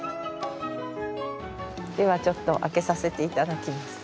ではちょっと開けさせて頂きます。